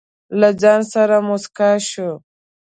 له ځانه سره موسکه شوه.